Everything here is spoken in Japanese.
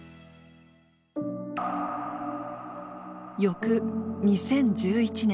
翌２０１１年。